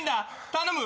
頼む。